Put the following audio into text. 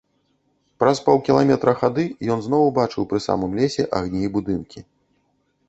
Праз паўкіламетра хады ён зноў убачыў пры самым лесе агні і будынкі.